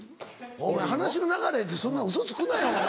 お前話の流れでそんなウソつくなよお前。